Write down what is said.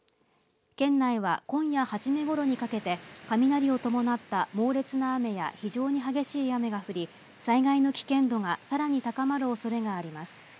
県内は今夜初めごろにかけて雷を伴った猛烈な雨や非常に激しい雨が降り災害の危険度がさらに高まるおそれがあります。